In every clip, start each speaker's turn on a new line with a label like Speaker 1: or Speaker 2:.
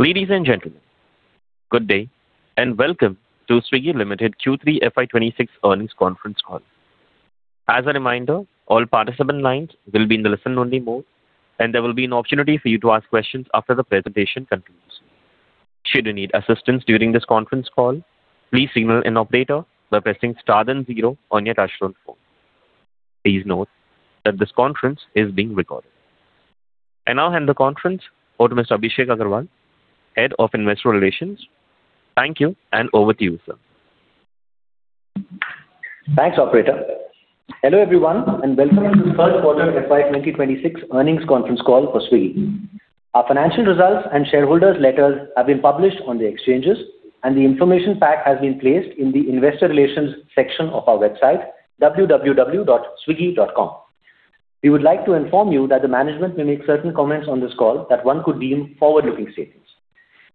Speaker 1: Ladies and gentlemen, good day, and welcome to Swiggy Limited Q3 FY 2026 earnings conference call. As a reminder, all participant lines will be in the listen-only mode, and there will be an opportunity for you to ask questions after the presentation concludes. Should you need assistance during this conference call, please signal an operator by pressing star then zero on your touchtone phone. Please note that this conference is being recorded. I now hand the conference over to Mr. Abhishek Agarwal, Head of Investor Relations. Thank you, and over to you, sir.
Speaker 2: Thanks, operator. Hello, everyone, and welcome to the first quarter FY 2026 earnings conference call for Swiggy. Our financial results and shareholders' letters have been published on the exchanges, and the information pack has been placed in the investor relations section of our website, www.swiggy.com. We would like to inform you that the management may make certain comments on this call that one could deem forward-looking statements.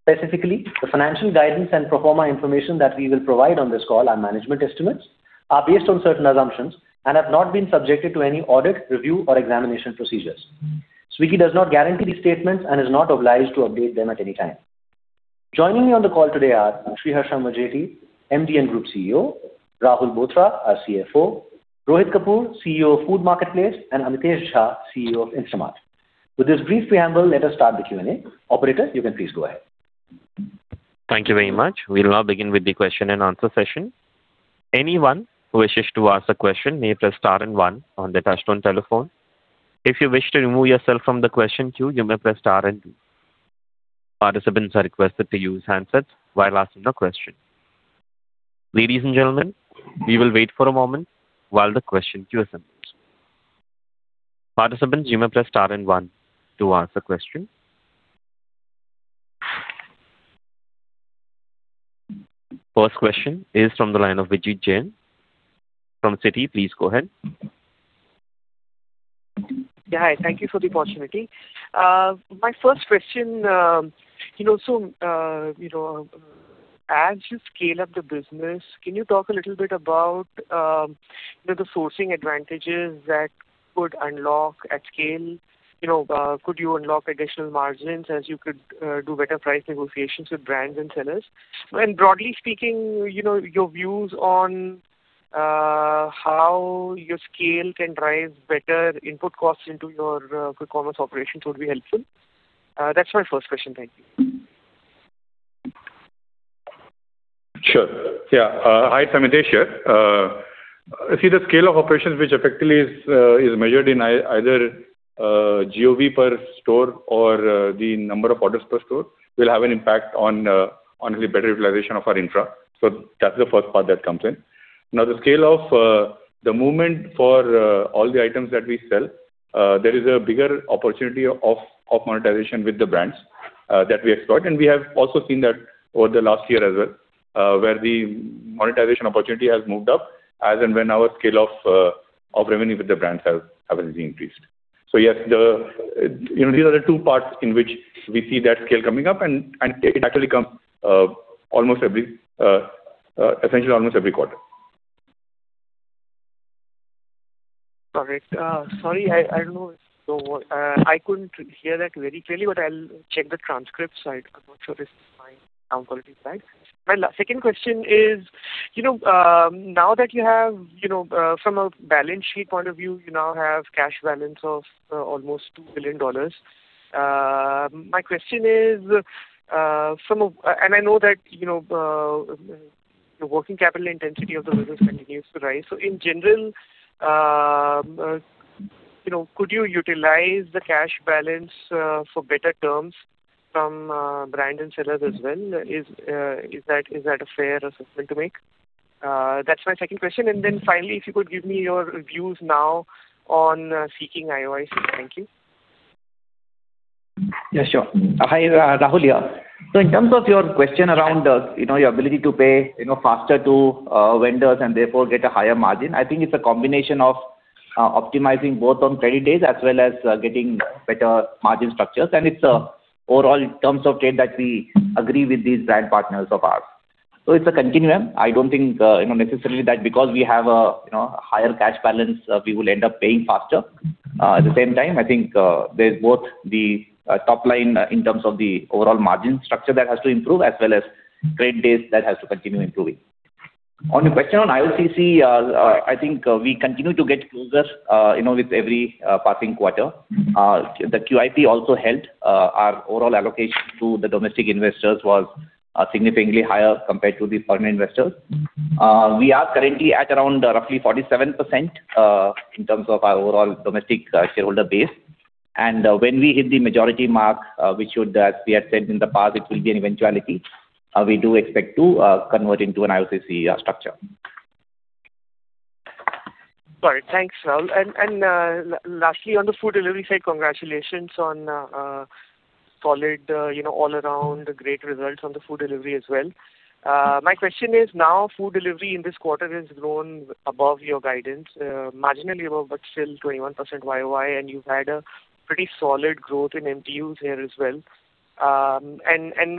Speaker 2: Specifically, the financial guidance and pro forma information that we will provide on this call are management estimates, are based on certain assumptions and have not been subjected to any audit, review, or examination procedures. Swiggy does not guarantee these statements and is not obliged to update them at any time. Joining me on the call today are Sriharsha Majety, MD and Group CEO, Rahul Bothra, our CFO, Rohit Kapoor, CEO of Food Marketplace, and Amitesh Jha, CEO of Instamart. With this brief preamble, let us start the Q&A. Operator, you can please go ahead.
Speaker 1: Thank you very much. We'll now begin with the question and answer session. Anyone who wishes to ask a question may press star and one on their touchtone telephone. If you wish to remove yourself from the question queue, you may press star and two. Participants are requested to use handsets while asking a question. Ladies and gentlemen, we will wait for a moment while the question queue assembles. Participants, you may press star and one to ask a question. First question is from the line of Vijit Jain from Citi. Please go ahead.
Speaker 3: Yeah, hi. Thank you for the opportunity. My first question, you know, so, you know, as you scale up the business, can you talk a little bit about, you know, the sourcing advantages that could unlock at scale? You know, could you unlock additional margins as you could do better price negotiations with brands and sellers? And broadly speaking, you know, your views on, how your scale can drive better input costs into your, quick commerce operations would be helpful. That's my first question. Thank you.
Speaker 4: Sure. Yeah. Hi, Amitesh here. See, the scale of operations, which effectively is, is measured in either, GOV per store or, the number of orders per store, will have an impact on, on the better utilization of our infra. So that's the first part that comes in. Now, the scale of, the movement for all the items that we sell, there is a bigger opportunity of, of monetization with the brands, that we exploit, and we have also seen that over the last year as well, where the monetization opportunity has moved up as and when our scale of, of revenue with the brands has, has really increased. So yes, you know, these are the two parts in which we see that scale coming up, and it actually comes almost every, essentially almost every quarter.
Speaker 3: Correct. Sorry, I don't know. So, I couldn't hear that very clearly, but I'll check the transcript side. I'm not sure this is my sound quality side. My second question is, you know, now that you have, you know, from a balance sheet point of view, you now have cash balance of almost $2 billion. My question is, and I know that, you know, the working capital intensity of the business continues to rise. So in general, you know, could you utilize the cash balance for better terms from brand and sellers as well? Is that a fair assessment to make? That's my second question. And then finally, if you could give me your views now on seeking IOCC. Thank you.
Speaker 5: Yeah, sure. Hi, Rahul here. So in terms of your question around, you know, your ability to pay, you know, faster to, vendors and therefore get a higher margin, I think it's a combination of, optimizing both on credit days as well as, getting better margin structures. And it's a overall terms of trade that we agree with these brand partners of ours. So it's a continuum. I don't think, you know, necessarily that because we have a, you know, a higher cash balance, we will end up paying faster. At the same time, I think, there's both the, top line in terms of the overall margin structure that has to improve, as well as trade days that has to continue improving. On your question on IOCC, I think we continue to get closer, you know, with every passing quarter. The QIP also helped. Our overall allocation to the domestic investors was significantly higher compared to the foreign investors. We are currently at around roughly 47% in terms of our overall domestic shareholder base. When we hit the majority mark, which, as we had said in the past, will be an eventuality, we do expect to convert into an IOCC structure.
Speaker 3: Got it. Thanks, Rahul. Lastly, on the food delivery side, congratulations on solid, you know, all around great results on the food delivery as well. My question is, now, food delivery in this quarter has grown above your guidance, marginally above, but still 21% YoY, and you've had a pretty solid growth in MTUs here as well.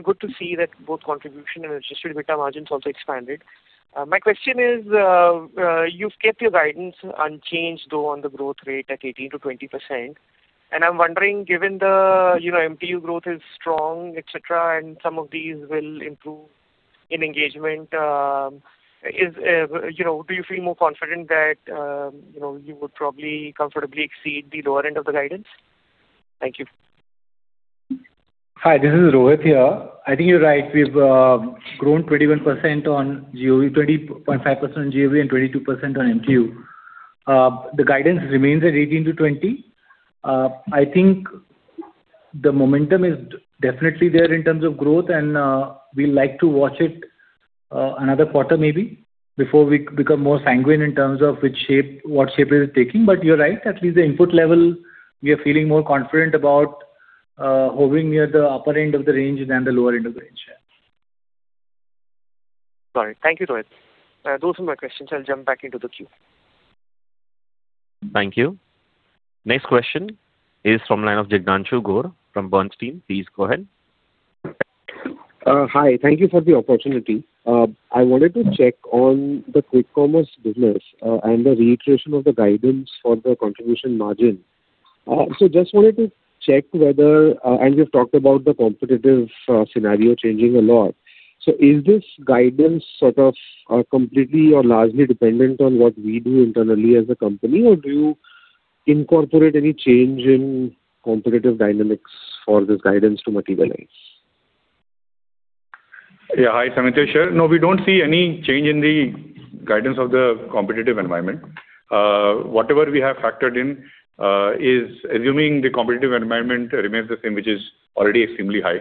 Speaker 3: Good to see that both contribution and adjusted EBITDA margins also expanded. My question is, you've kept your guidance unchanged, though, on the growth rate at 18%-20%, and I'm wondering, given the, you know, MTU growth is strong, et cetera, and some of these will improve in engagement, is, you know, do you feel more confident that, you know, you would probably comfortably exceed the lower end of the guidance? Thank you.
Speaker 6: Hi, this is Rohit here. I think you're right. We've grown 21% on GOV, 20.5% on GOV and 22% on MTU. The guidance remains at 18%-20%. I think the momentum is definitely there in terms of growth, and we like to watch it another quarter, maybe, before we become more sanguine in terms of which shape, what shape it is taking. But you're right, at least the input level, we are feeling more confident about hovering near the upper end of the range than the lower end of the range. Yeah.
Speaker 3: Got it. Thank you, Rohit. Those are my questions. I'll jump back into the queue.
Speaker 1: Thank you. Next question is from line of Jignanshu Gor from Bernstein. Please go ahead.
Speaker 7: Hi. Thank you for the opportunity. I wanted to check on the quick commerce business, and the reiteration of the guidance for the contribution margin. So just wanted to check whether, and you've talked about the competitive, scenario changing a lot. So is this guidance sort of, completely or largely dependent on what we do internally as a company, or do you incorporate any change in competitive dynamics for this guidance to materialize?
Speaker 4: Yeah. Hi, Amitesh here. No, we don't see any change in the guidance of the competitive environment. Whatever we have factored in is assuming the competitive environment remains the same, which is already extremely high.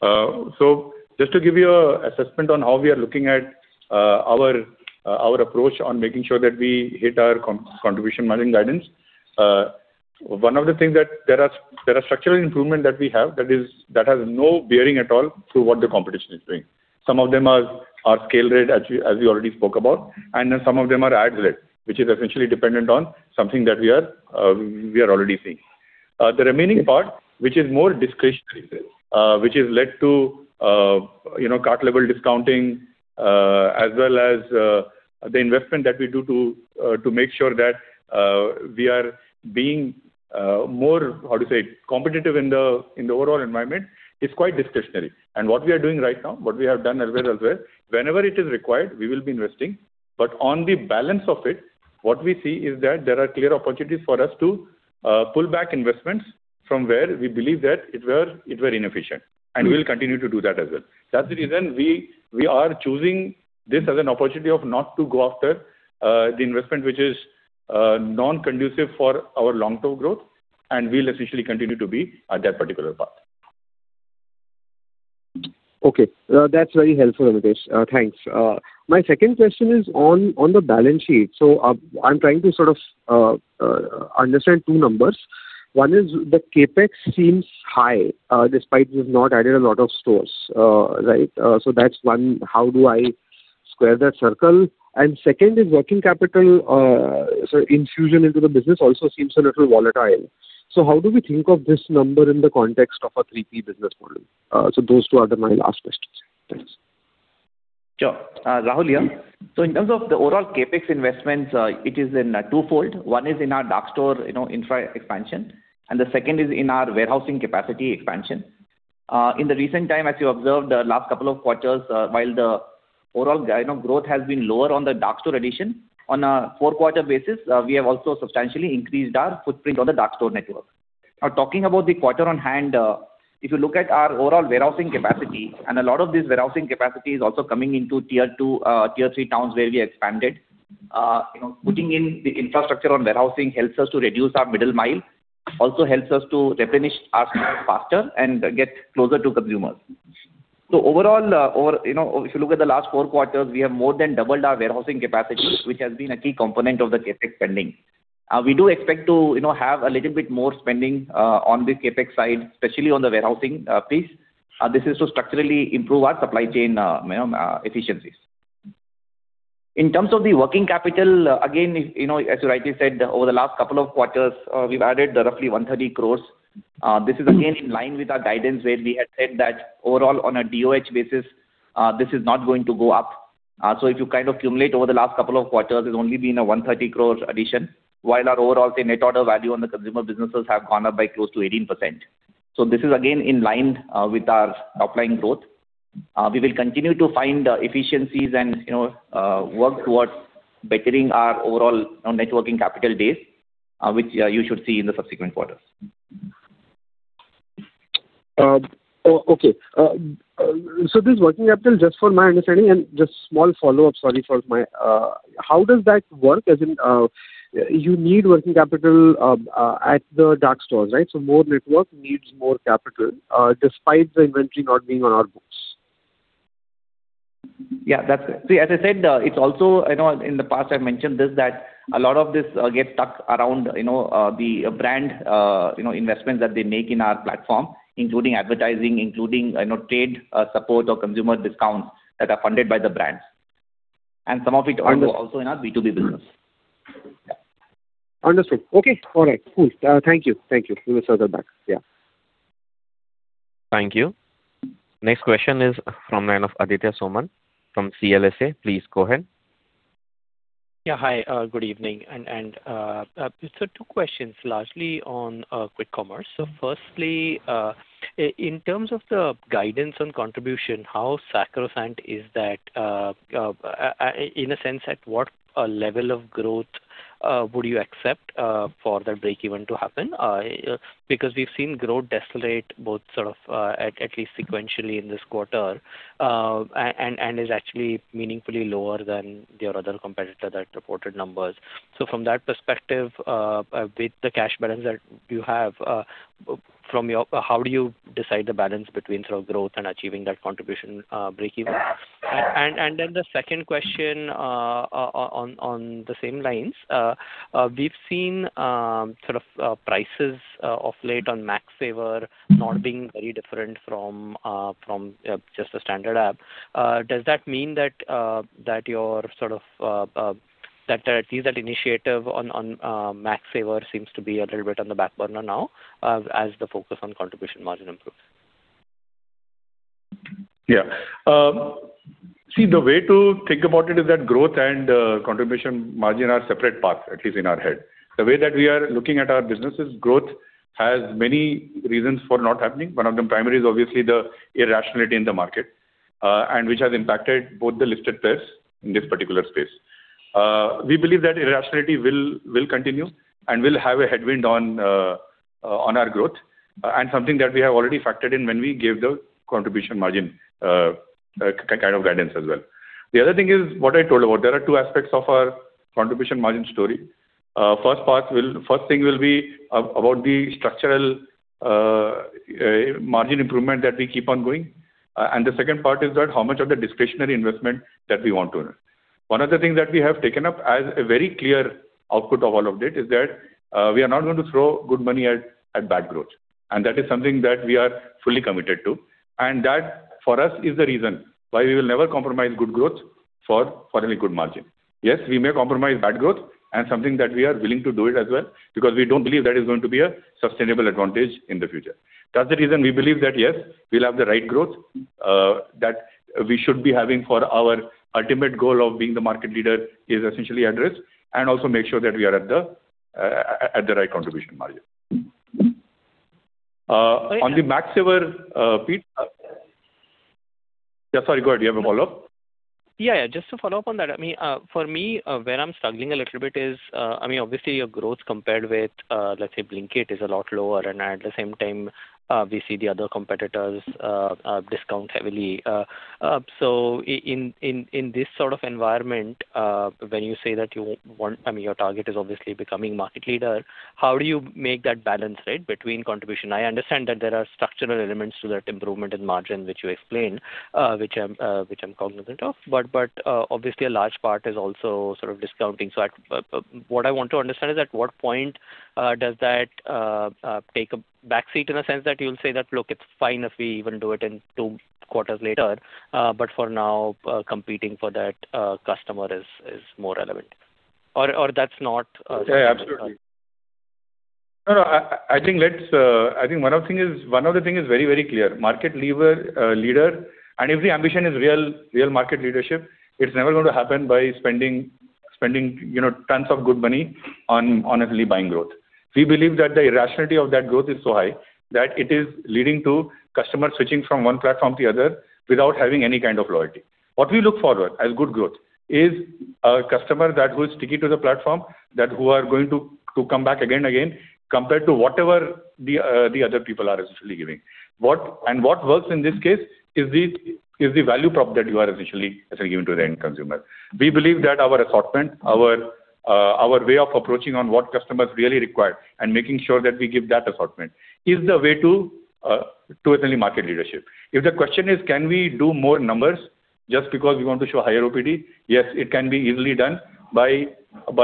Speaker 4: So just to give you an assessment on how we are looking at our approach on making sure that we hit our contribution margin guidance. One of the things that there are structural improvements that we have that is that has no bearing at all to what the competition is doing. Some of them are scale rate, as you as we already spoke about, and then some of them are ad rate, which is essentially dependent on something that we are we are already seeing. The remaining part, which is more discretionary, which has led to, you know, cart-level discounting, as well as, the investment that we do to, to make sure that, we are being, more, how to say, competitive in the overall environment, is quite discretionary. And what we are doing right now, what we have done as well as well, whenever it is required, we will be investing. But on the balance of it, what we see is that there are clear opportunities for us to, pull back investments from where we believe that it were, it were inefficient, and we will continue to do that as well. That's the reason we are choosing this as an opportunity of not to go after the investment, which is non-conducive for our long-term growth, and we'll essentially continue to be at that particular path.
Speaker 7: Okay, that's very helpful, Amitesh. Thanks. My second question is on the balance sheet. I'm trying to sort of understand two numbers. One is the CapEx seems high, despite you've not added a lot of stores, right? So that's one. How do I square that circle? And second is working capital, so infusion into the business also seems a little volatile. So how do we think of this number in the context of a three-tier business model? So those two are my last questions. Thanks.
Speaker 5: Sure. Rahul here. So in terms of the overall CapEx investments, it is in a twofold. One is in our dark store, you know, infra expansion, and the second is in our warehousing capacity expansion. In the recent time, as you observed the last couple of quarters, while the overall, you know, growth has been lower on the dark store addition, on a four-quarter basis, we have also substantially increased our footprint on the dark store network. Now, talking about the quarter on hand, if you look at our overall warehousing capacity, and a lot of this warehousing capacity is also coming into tier two, tier three towns where we expanded. You know, putting in the infrastructure on warehousing helps us to reduce our middle mile, also helps us to replenish our stores faster and get closer to consumers. So overall, you know, if you look at the last four quarters, we have more than doubled our warehousing capacity, which has been a key component of the CapEx spending. We do expect to, you know, have a little bit more spending on the CapEx side, especially on the warehousing piece. This is to structurally improve our supply chain, you know, efficiencies. In terms of the working capital, again, you know, as you rightly said, over the last couple of quarters, we've added roughly 130 crore. This is again in line with our guidance, where we had said that overall, on a DOH basis, this is not going to go up. If you kind of accumulate over the last couple of quarters, it's only been a 130 crore addition, while our overall, say, net order value on the consumer businesses have gone up by close to 18%. So this is again in line with our top-line growth. We will continue to find efficiencies and, you know, work towards bettering our overall net working capital base, which you should see in the subsequent quarters.
Speaker 7: Okay. So this working capital, just for my understanding and just small follow-up, sorry for my... How does that work? As in, you need working capital at the dark stores, right? So more network needs more capital, despite the inventory not being on our books.
Speaker 5: Yeah, that's it. See, as I said, it's also, you know, in the past I've mentioned this, that a lot of this gets stuck around, you know, the brand, you know, investments that they make in our platform, including advertising, including, you know, trade support or consumer discounts that are funded by the brands, and some of it is also in our B2B business.
Speaker 7: Understood. Okay. All right, cool. Thank you. Thank you. We will circle back. Yeah.
Speaker 1: Thank you. Next question is from line of Aditya Soman from CLSA. Please go ahead.
Speaker 8: Yeah, hi, good evening. So two questions largely on quick commerce. So firstly, in terms of the guidance on contribution, how sacrosanct is that? In a sense, at what level of growth would you accept for the break-even to happen? Because we've seen growth decelerate both sort of at least sequentially in this quarter. And it is actually meaningfully lower than your other competitor that reported numbers. So from that perspective, with the cash balance that you have from your-- how do you decide the balance between sort of growth and achieving that contribution breakeven? And then the second question on the same lines. We've seen, sort of, prices of late on Max Saver not being very different from just the standard app. Does that mean that you're sort of, that at least that initiative on Max Saver seems to be a little bit on the back burner now, as the focus on contribution margin improves?
Speaker 4: Yeah. See, the way to think about it is that growth and contribution margin are separate paths, at least in our head. The way that we are looking at our businesses, growth has many reasons for not happening. One of them, primary, is obviously the irrationality in the market and which has impacted both the listed players in this particular space. We believe that irrationality will continue and will have a headwind on our growth, and something that we have already factored in when we gave the contribution margin kind of guidance as well. The other thing is what I told about. There are two aspects of our contribution margin story. First thing will be about the structural margin improvement that we keep on going. And the second part is that how much of the discretionary investment that we want to earn. One of the things that we have taken up as a very clear output of all of this is that, we are not going to throw good money at bad growth, and that is something that we are fully committed to. And that, for us, is the reason why we will never compromise good growth for any good margin. Yes, we may compromise bad growth and something that we are willing to do it as well, because we don't believe that is going to be a sustainable advantage in the future. That's the reason we believe that, yes, we'll have the right growth, that we should be having for our ultimate goal of being the market leader is essentially addressed, and also make sure that we are at the right contribution margin. On the Max Saver, bit... Yeah, sorry, go ahead. You have a follow-up?
Speaker 8: Yeah, yeah. Just to follow up on that, I mean, for me, where I'm struggling a little bit is, I mean, obviously, your growth compared with, let's say, Blinkit, is a lot lower, and at the same time, we see the other competitors discount heavily. So in this sort of environment, when you say that you want—I mean, your target is obviously becoming market leader, how do you make that balance, right, between contribution? I understand that there are structural elements to that improvement in margin, which you explained, which I'm cognizant of, but obviously a large part is also sort of discounting. So, what I want to understand is, at what point does that take a backseat in a sense that you'll say that, "Look, it's fine if we even do it in two quarters later, but for now, competing for that customer is more relevant." Or that's not-
Speaker 4: Yeah, absolutely. No, I think let's, I think one of the thing is, one of the thing is very, very clear. Market leader, and if the ambition is real, real market leadership, it's never going to happen by spending, you know, tons of good money on honestly buying growth. We believe that the irrationality of that growth is so high, that it is leading to customers switching from one platform to the other without having any kind of loyalty. What we look forward as good growth is a customer that who is sticky to the platform, that who are going to, to come back again and again, compared to whatever the, the other people are essentially giving. What, and what works in this case is the, is the value prop that you are essentially giving to the end consumer. We believe that our assortment, our, our way of approaching on what customers really require and making sure that we give that assortment, is the way to essentially market leadership. If the question is: Can we do more numbers just because we want to show higher OPD? Yes, it can be easily done by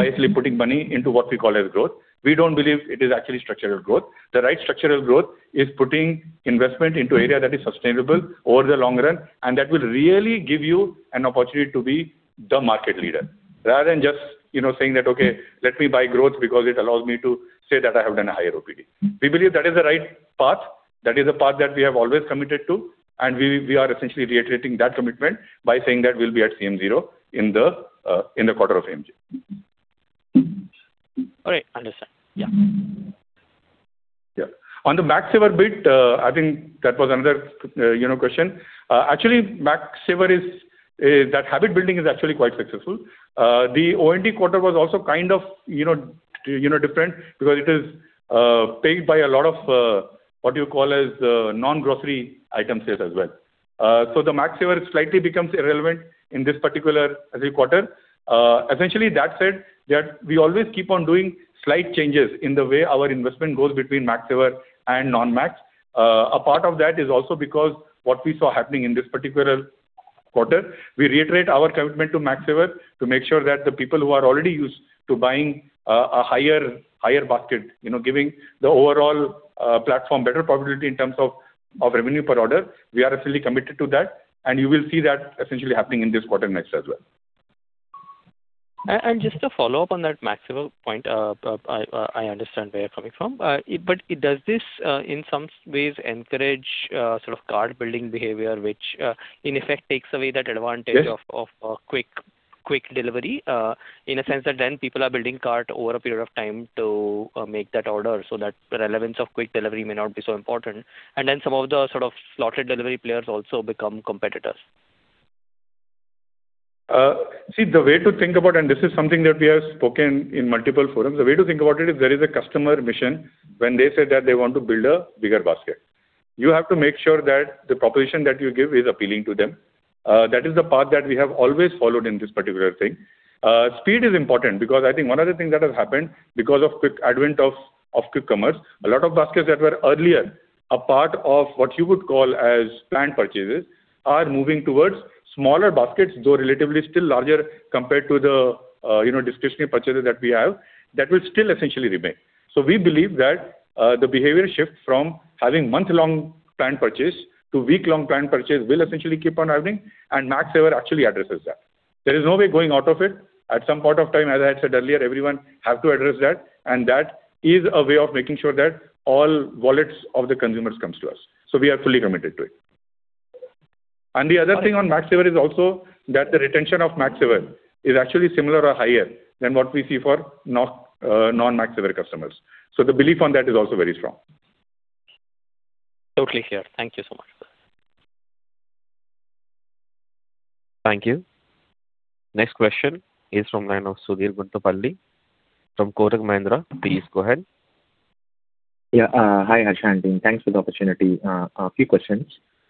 Speaker 4: actually putting money into what we call as growth. We don't believe it is actually structural growth. The right structural growth is putting investment into area that is sustainable over the long run, and that will really give you an opportunity to be the market leader, rather than just, you know, saying that, "Okay, let me buy growth because it allows me to say that I have done a higher OPD." We believe that is the right path. That is the path that we have always committed to, and we are essentially reiterating that commitment by saying that we'll be at CM Zero in the quarter of MJ.
Speaker 8: All right, understand. Yeah.
Speaker 4: Yeah. On the Max Saver bit, I think that was another, you know, question. Actually, Max Saver is, that habit building is actually quite successful. The OND quarter was also kind of, you know, different because it is paid by a lot of, what you call as, non-grocery item sales as well. So the Max Saver slightly becomes irrelevant in this particular, quarter. Essentially, that said, we always keep on doing slight changes in the way our investment goes between Max Saver and non-Max. A part of that is also because what we saw happening in this particular quarter, we reiterate our commitment to Max Saver to make sure that the people who are already used to buying, a higher basket, you know, giving the overall, platform better profitability in terms of revenue per order, we are fully committed to that, and you will see that essentially happening in this quarter mix as well.
Speaker 8: Just to follow up on that Max Saver point, I understand where you're coming from. But does this in some ways encourage sort of cart building behavior, which in effect takes away that advantage sort of quick delivery? In a sense that then people are building cart over a period of time to make that order, so that the relevance of quick delivery may not be so important. And then some of the sort of slotted delivery players also become competitors.
Speaker 4: See, the way to think about, and this is something that we have spoken in multiple forums, the way to think about it is there is a customer mission when they said that they want to build a bigger basket. You have to make sure that the proposition that you give is appealing to them. That is the path that we have always followed in this particular thing. Speed is important because I think one of the things that has happened because of quick advent of quick commerce, a lot of baskets that were earlier a part of what you would call as planned purchases, are moving towards smaller baskets, though relatively still larger compared to the, you know, discretionary purchases that we have, that will still essentially remain. So we believe that, the behavior shift from having month-long planned purchase to week-long planned purchase will essentially keep on happening, and MaxSaver actually addresses that. There is no way going out of it. At some point of time, as I said earlier, everyone have to address that, and that is a way of making sure that all wallets of the consumers comes to us. So we are fully committed to it. And the other thing on MaxSaver is also that the retention of MaxSaver is actually similar or higher than what we see for not, non-MaxSaver customers. So the belief on that is also very strong.
Speaker 8: Totally hear. Thank you so much.
Speaker 1: Thank you. Next question is from line of Sudheer Guntupalli from Kotak Mahindra. Please go ahead.
Speaker 9: Yeah, hi, Harshant. Thanks for the opportunity. A few questions.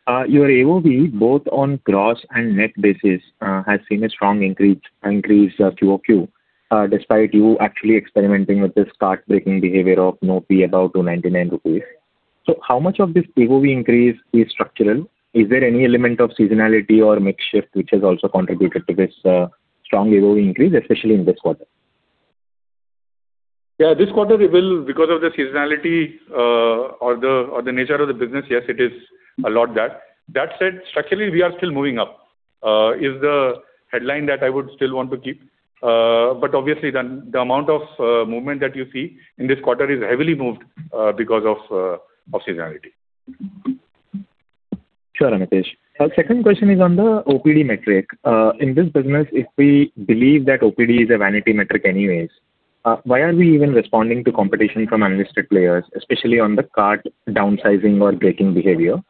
Speaker 9: Your AOV, both on gross and net basis, has seen a strong increase QoQ, despite you actually experimenting with this cart breaking behavior of no fee above 299 rupees. So how much of this AOV increase is structural? Is there any element of seasonality or mix shift which has also contributed to this strong AOV increase, especially in this quarter?
Speaker 4: Yeah, this quarter it will, because of the seasonality, or the nature of the business, yes, it is a lot that. That said, structurally, we are still moving up, is the headline that I would still want to keep. But obviously, the amount of movement that you see in this quarter is heavily moved, because of seasonality.
Speaker 9: Sure, Amitesh. Our second question is on the OPD metric. In this business, if we believe that OPD is a vanity metric anyways, why are we even responding to competition from unlisted players, especially on the cart downsizing or breaking behavior?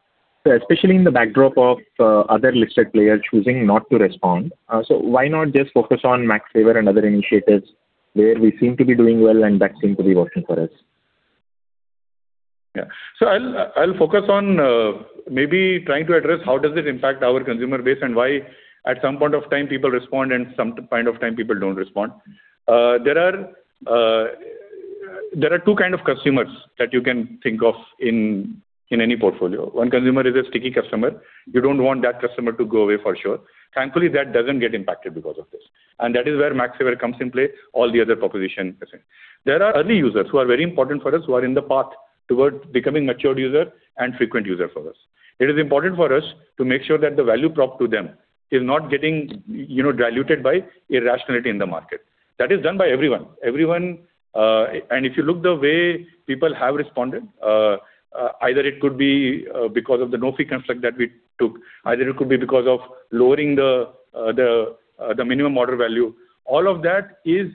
Speaker 9: Especially in the backdrop of other listed players choosing not to respond, so why not just focus on MaxSaver and other initiatives where we seem to be doing well and that seem to be working for us?
Speaker 4: Yeah. So I'll focus on, maybe trying to address how does it impact our consumer base and why at some point of time people respond and some point of time people don't respond. There are two kind of consumers that you can think of in, in any portfolio. One consumer is a sticky customer. You don't want that customer to go away for sure. Thankfully, that doesn't get impacted because of this, and that is where MaxSaver comes in play, all the other propositions. There are early users who are very important for us, who are in the path towards becoming matured user and frequent user for us. It is important for us to make sure that the value prop to them is not getting, you know, diluted by irrationality in the market. That is done by everyone. Everyone, and if you look the way people have responded, either it could be because of the no-fee construct that we took, either it could be because of lowering the minimum order value. All of that is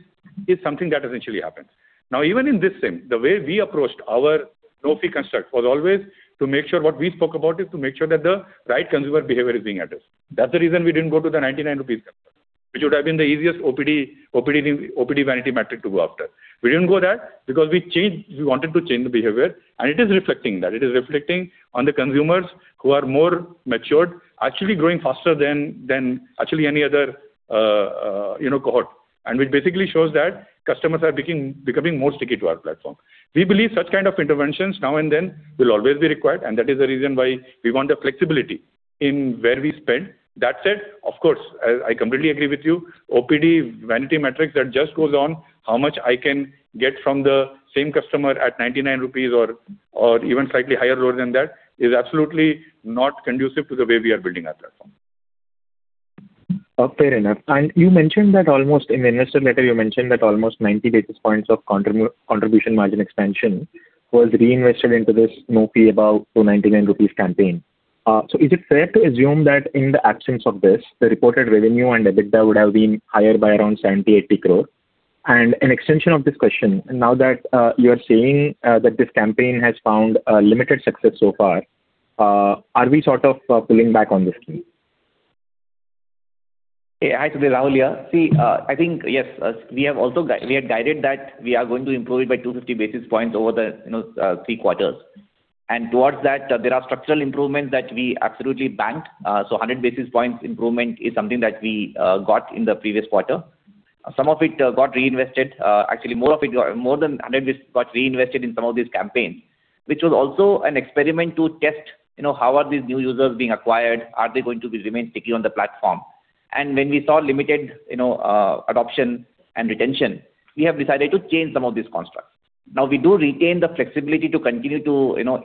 Speaker 4: something that essentially happens. Now, even in this thing, the way we approached our no-fee construct was always to make sure what we spoke about is to make sure that the right consumer behavior is being addressed. That's the reason we didn't go to the 99 rupees, which would have been the easiest OPD vanity metric to go after. We didn't go that because we changed we wanted to change the behavior, and it is reflecting that. It is reflecting on the consumers who are more matured, actually growing faster than actually any other, you know, cohort. Which basically shows that customers are becoming, becoming more sticky to our platform. We believe such kind of interventions now and then will always be required, and that is the reason why we want the flexibility in where we spend. That said, of course, I completely agree with you. OPD vanity metrics, that just goes on how much I can get from the same customer at 99 rupees or, or even slightly higher or lower than that, is absolutely not conducive to the way we are building our platform.
Speaker 9: Okay, fair enough. And in the investor letter, you mentioned that almost 90 basis points of contribution margin expansion was reinvested into this no fee above 299 rupees campaign. So is it fair to assume that in the absence of this, the reported revenue and EBITDA would have been higher by around 70 crore-80 crore? And an extension of this question, now that you are saying that this campaign has found a limited success so far, are we sort of pulling back on this scheme?
Speaker 5: Hey, hi, Rahul here. See, I think, yes, we have also guided that we are going to improve it by 250 basis points over the, you know, three quarters. And towards that, there are structural improvements that we absolutely banked. So 100 basis points improvement is something that we got in the previous quarter. Some of it got reinvested, actually, more than 100 basis got reinvested in some of these campaigns, which was also an experiment to test, you know, how are these new users being acquired? Are they going to be remain sticky on the platform? And when we saw limited, you know, adoption and retention, we have decided to change some of these constructs. Now, we do retain the flexibility to continue to, you know,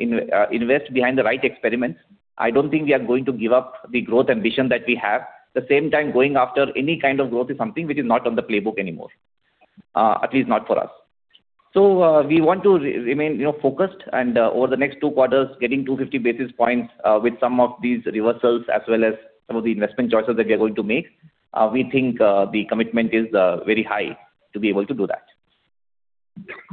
Speaker 5: invest behind the right experiment. I don't think we are going to give up the growth ambition that we have. At the same time, going after any kind of growth is something which is not on the playbook anymore, at least not for us. So, we want to remain, you know, focused, and, over the next two quarters, getting 250 basis points, with some of these reversals, as well as some of the investment choices that we are going to make, we think, the commitment is, very high to be able to do that.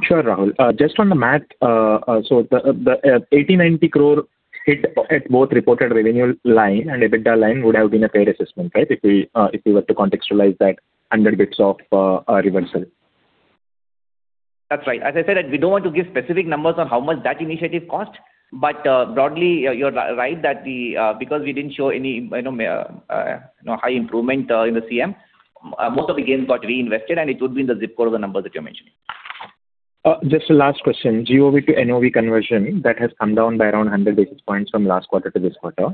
Speaker 9: Sure, Rahul. Just on the math, so the 80 crore-90 crore hit at both reported revenue line and EBITDA line would have been a fair assessment, right? If we, if we were to contextualize that 100 bits of reversal.
Speaker 5: That's right. As I said, we don't want to give specific numbers on how much that initiative cost, but, broadly, you're right that the, because we didn't show any, you know, you know, high improvement, in the CM, most of the gains got reinvested, and it would be in the zip code of the numbers that you're mentioning.
Speaker 9: Just a last question. GOV to NOV conversion, that has come down by around 100 basis points from last quarter to this quarter.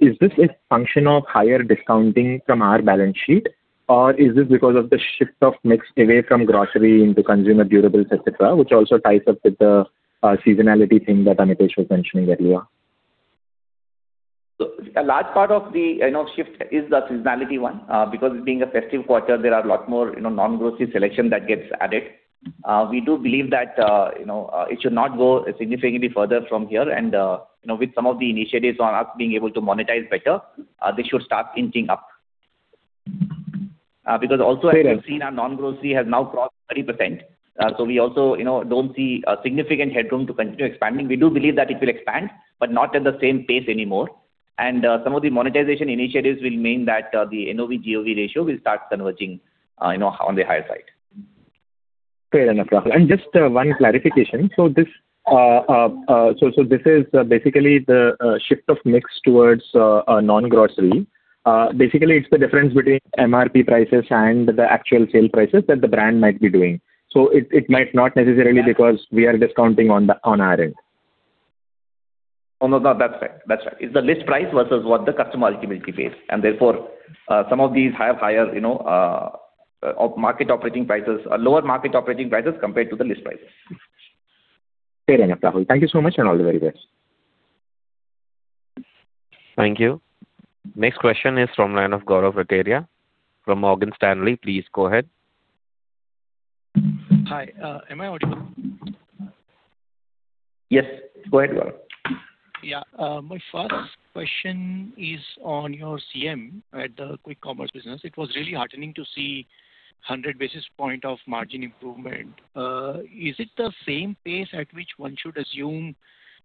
Speaker 9: Is this a function of higher discounting from our balance sheet, or is this because of the shift of mix away from grocery into consumer durables, et cetera, which also ties up with the seasonality thing that Amitesh was mentioning earlier?
Speaker 5: So a large part of the, you know, shift is the seasonality one. Because being a festive quarter, there are a lot more, you know, non-grocery selection that gets added. We do believe that, you know, it should not go significantly further from here, and, you know, with some of the initiatives on us being able to monetize better, this should start inching up. Because also-
Speaker 9: Fair enough.
Speaker 5: As you've seen, our non-grocery has now crossed 30%. So we also, you know, don't see a significant headroom to continue expanding. We do believe that it will expand, but not at the same pace anymore, and some of the monetization initiatives will mean that the NOV-GOV ratio will start converging, you know, on the higher side.
Speaker 9: Fair enough, Rahul. Just one clarification. So this is basically the shift of mix towards non-grocery. Basically, it's the difference between MRP prices and the actual sale prices that the brand might be doing. So it might not necessarily be because we are discounting on our end.
Speaker 5: Oh, no, no, that's right. That's right. It's the list price versus what the customer ultimately pays, and therefore, some of these have higher, you know, market operating prices, lower market operating prices compared to the list prices.
Speaker 9: Fair enough, Rahul. Thank you so much, and all the very best.
Speaker 1: Thank you. Next question is from line of Gaurav Rateria from Morgan Stanley. Please go ahead.
Speaker 10: Hi, am I audible?
Speaker 1: Yes, go ahead, Gaurav.
Speaker 10: Yeah, my first question is on your CM at the quick commerce business. It was really heartening to see 100 basis points of margin improvement. Is it the same pace at which one should assume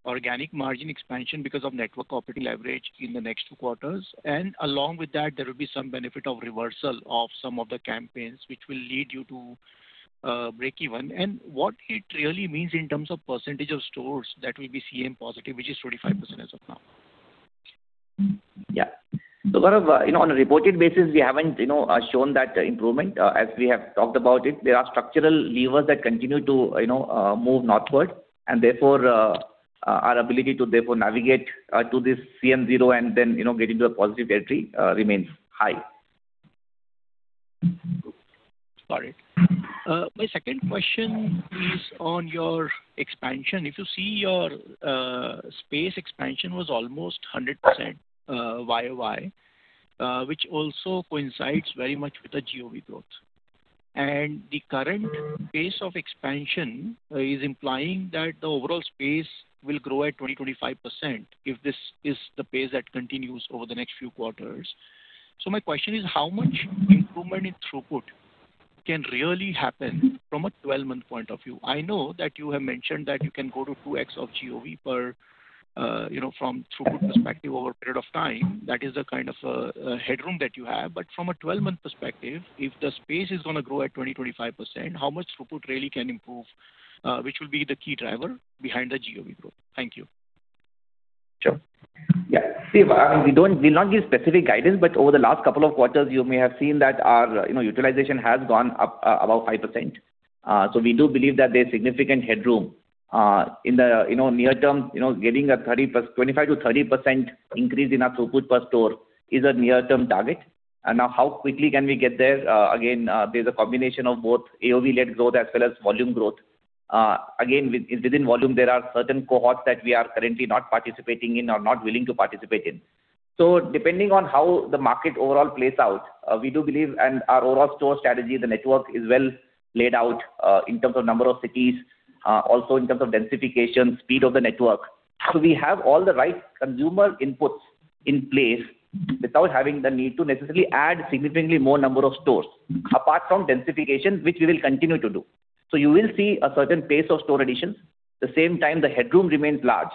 Speaker 10: organic margin expansion because of network operating leverage in the next quarters? And along with that, there will be some benefit of reversal of some of the campaigns, which will lead you to break even, and what it really means in terms of percentage of stores that will be CM positive, which is 25% as of now.
Speaker 5: Yeah. So Gaurav, you know, on a reported basis, we haven't, you know, shown that improvement. As we have talked about it, there are structural levers that continue to, you know, move northward, and therefore, our ability to therefore navigate, to this CM Zero and then, you know, get into a positive territory, remains high.
Speaker 10: Got it. My second question is on your expansion. If you see your space expansion was almost 100% YoY, which also coincides very much with the GOV growth. And the current pace of expansion is implying that the overall space will grow at 20%-25% if this is the pace that continues over the next few quarters. So my question is: How much improvement in throughput can really happen from a 12-month point of view? I know that you have mentioned that you can go to 2x of GOV per, you know, from throughput perspective over a period of time. That is the kind of headroom that you have. But from a 12-month perspective, if the space is gonna grow at 20%-25%, how much throughput really can improve, which will be the key driver behind the GOV growth? Thank you.
Speaker 5: Sure. Yeah, see, we don't—we'll not give specific guidance, but over the last couple of quarters, you may have seen that our, you know, utilization has gone up, above 5%. So we do believe that there's significant headroom, in the, you know, near term, you know, getting a 25%-30% increase in our throughput per store is a near-term target. And now, how quickly can we get there? Again, there's a combination of both AOV-led growth as well as volume growth. Again, within volume, there are certain cohorts that we are currently not participating in or not willing to participate in. So depending on how the market overall plays out, we do believe and our overall store strategy, the network is well laid out, in terms of number of cities, also in terms of densification, speed of the network. So we have all the right consumer inputs in place without having the need to necessarily add significantly more number of stores, apart from densification, which we will continue to do. So you will see a certain pace of store additions. At the same time, the headroom remains large,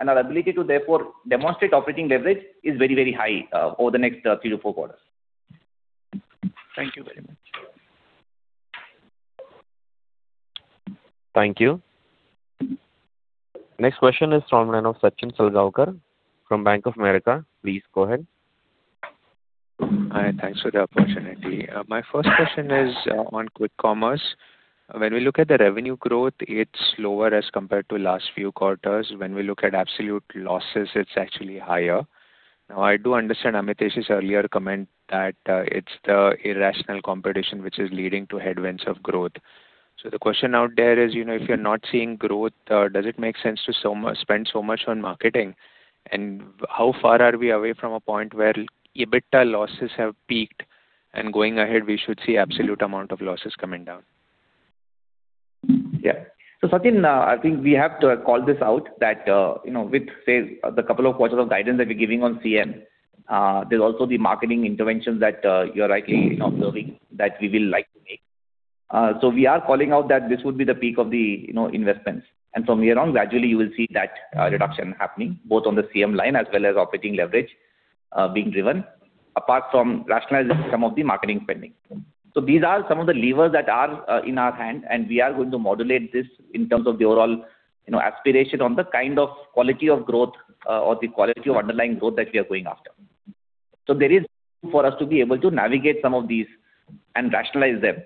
Speaker 5: and our ability to therefore demonstrate operating leverage is very, very high, over the next, three to four quarters.
Speaker 10: Thank you very much.
Speaker 1: Thank you. Next question is from line of Sachin Salgaonkar from Bank of America. Please go ahead.
Speaker 11: Hi, thanks for the opportunity. My first question is on quick commerce. When we look at the revenue growth, it's lower as compared to last few quarters. When we look at absolute losses, it's actually higher. Now, I do understand Amitesh's earlier comment that it's the irrational competition which is leading to headwinds of growth. So the question out there is, you know, if you're not seeing growth, does it make sense to spend so much on marketing? And how far are we away from a point where EBITDA losses have peaked, and going ahead, we should see absolute amount of losses coming down?
Speaker 5: Yeah. So, Sachin, I think we have to call this out, that, you know, with, say, the couple of quarters of guidance that we're giving on CM, there's also the marketing interventions that, you're rightly observing, that we will like to make. So we are calling out that this would be the peak of the, you know, investments. And from here on, gradually you will see that, reduction happening, both on the CM line as well as operating leverage, being driven, apart from rationalizing some of the marketing spending. So these are some of the levers that are, in our hand, and we are going to modulate this in terms of the overall, you know, aspiration on the kind of quality of growth, or the quality of underlying growth that we are going after. There is for us to be able to navigate some of these and rationalize them.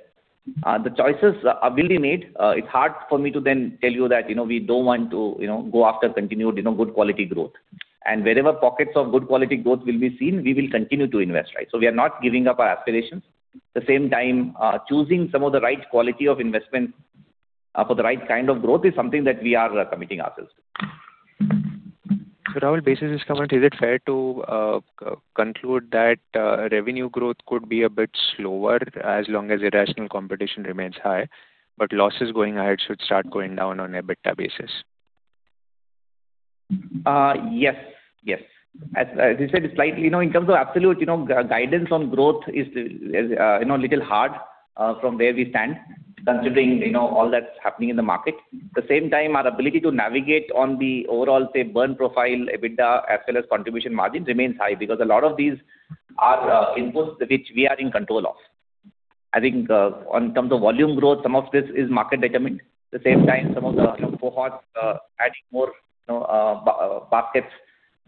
Speaker 5: The choices are will be made. It's hard for me to then tell you that, you know, we don't want to, you know, go after continued, you know, good quality growth. Wherever pockets of good quality growth will be seen, we will continue to invest, right? We are not giving up our aspirations. At the same time, choosing some of the right quality of investment, for the right kind of growth is something that we are committing ourselves to.
Speaker 11: So Rahul, basis this quarter, is it fair to conclude that revenue growth could be a bit slower as long as irrational competition remains high, but losses going ahead should start going down on EBITDA basis?
Speaker 5: Yes, yes. As you said, it's slightly, you know, in terms of absolute, you know, guidance on growth is, you know, little hard, from where we stand, considering, you know, all that's happening in the market. At the same time, our ability to navigate on the overall, say, burn profile, EBITDA, as well as contribution margin, remains high, because a lot of these are, inputs which we are in control of. I think, on terms of volume growth, some of this is market determined. At the same time, some of the, you know, cohort, adding more, you know, basket,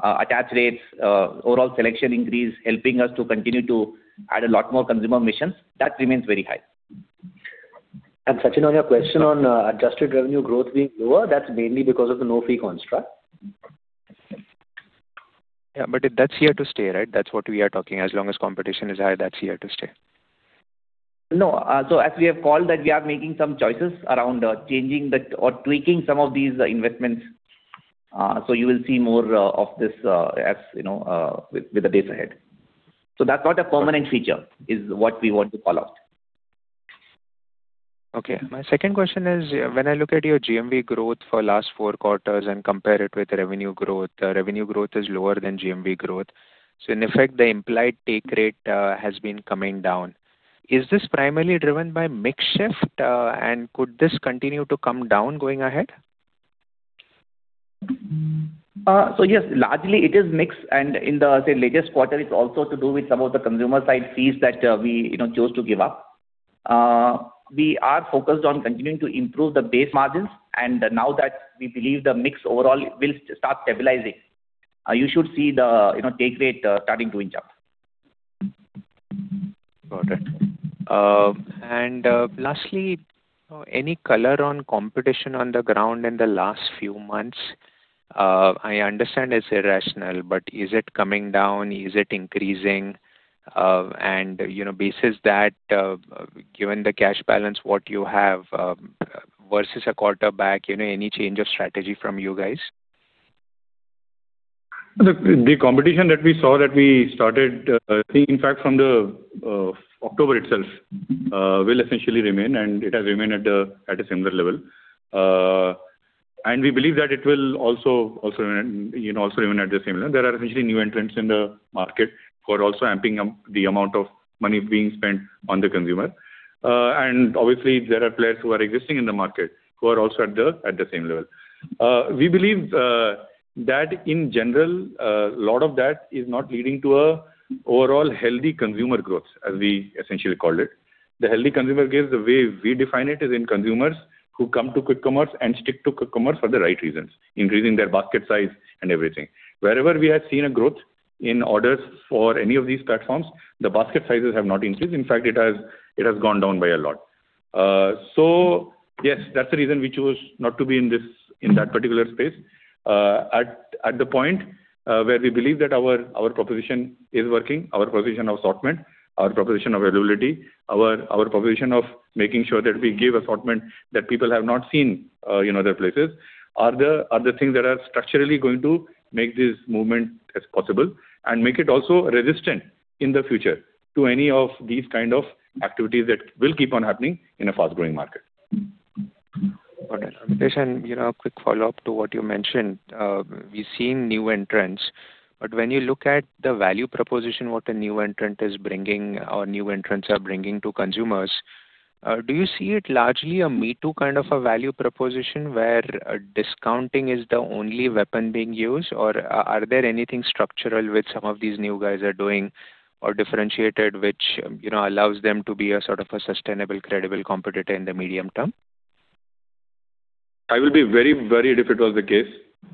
Speaker 5: attach rates, overall selection increase, helping us to continue to add a lot more consumer missions, that remains very high. And Sachin, on your question on, adjusted revenue growth being lower, that's mainly because of the no-fee construct.
Speaker 11: Yeah, but that's here to stay, right? That's what we are talking. As long as competition is high, that's here to stay.
Speaker 5: No, so as we have called that, we are making some choices around changing or tweaking some of these investments, so you will see more of this, as you know, with the days ahead. So that's not a permanent feature, is what we want to call out.
Speaker 11: Okay. My second question is, when I look at your GMV growth for last four quarters and compare it with revenue growth, the revenue growth is lower than GMV growth. So in effect, the implied take rate has been coming down. Is this primarily driven by mix shift, and could this continue to come down going ahead?
Speaker 5: So yes, largely it is mix, and in the, say, latest quarter, it's also to do with some of the consumer-side fees that we, you know, chose to give up. We are focused on continuing to improve the base margins, and now that we believe the mix overall will start stabilizing, you should see the, you know, take rate starting to inch up.
Speaker 11: Got it. And, lastly, any color on competition on the ground in the last few months? I understand it's irrational, but is it coming down? Is it increasing? And, you know, basis that, given the cash balance, what you have, versus a quarter back, you know, any change of strategy from you guys?
Speaker 4: The competition that we saw that we started, I think, in fact, from October itself, will essentially remain, and it has remained at a similar level. And we believe that it will also, you know, remain at the same level. There are essentially new entrants in the market who are also amping up the amount of money being spent on the consumer. And obviously, there are players who are existing in the market who are also at the same level. We believe that in general, a lot of that is not leading to an overall healthy consumer growth, as we essentially called it. The healthy consumer gives, the way we define it, is in consumers who come to quick commerce and stick to quick commerce for the right reasons, increasing their basket size and everything. Wherever we have seen a growth in orders for any of these platforms, the basket sizes have not increased. In fact, it has gone down by a lot. So yes, that's the reason we chose not to be in this, in that particular space. At the point where we believe that our proposition is working, our proposition of assortment, our proposition of availability, our proposition of making sure that we give assortment that people have not seen in other places, are the things that are structurally going to make this movement as possible, and make it also resistant in the future to any of these kind of activities that will keep on happening in a fast-growing market.
Speaker 11: Got it. You know, a quick follow-up to what you mentioned. We've seen new entrants, but when you look at the value proposition, what a new entrant is bringing or new entrants are bringing to consumers, do you see it largely a me-too kind of a value proposition, where discounting is the only weapon being used? Or are there anything structural, which some of these new guys are doing or differentiated, which, you know, allows them to be a sort of a sustainable, credible competitor in the medium term?
Speaker 4: I will be very worried if it was the case,